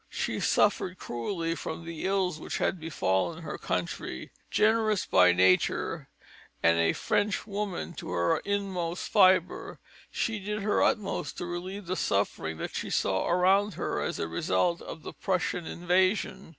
She suffered cruelly from the ills which had befallen her country. Generous by nature and a French woman to her inmost fibre, she did her utmost to relieve the suffering that she saw around her as a result of the Prussian invasion.